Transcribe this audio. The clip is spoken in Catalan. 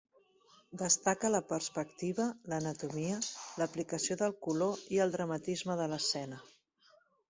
Destaca la perspectiva, l'anatomia, l'aplicació del color i el dramatisme de l'escena.